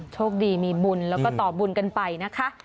โชคดีมีบุญแล้วก็ต่อบุญกันไปนะคะ